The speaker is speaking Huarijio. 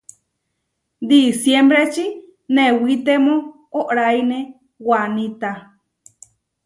Disiembreči newitemó óʼraine wanita.